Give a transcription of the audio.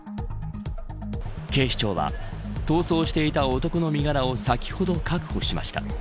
警視庁は逃走していた男の身柄を先ほど確保しました。